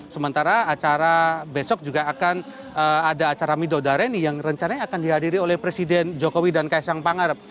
sementara acara besok juga akan ada acara midodareni yang rencananya akan dihadiri oleh presiden jokowi dan kaisang pangarep